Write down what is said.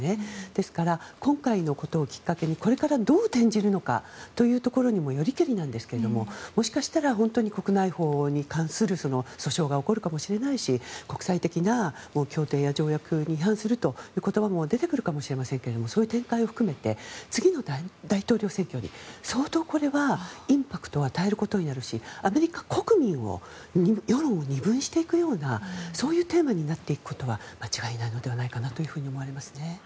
ですから今回のことをきっかけにこれからどう転じるのかにもよりけりなんですけれどももしかしたら国内法に関する訴訟が起こるかもしれないし国際的な協定や条約に違反するという言葉も出てくるかもしれませんけどそういう展開を含めて次の大統領選挙に相当これはインパクトを与えることになるしアメリカ国民世論を二分していくようなそういうテーマになっていくことは間違いないのではないかなと思われますね。